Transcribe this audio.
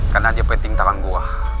karena dia peting talang gue